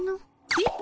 えっ？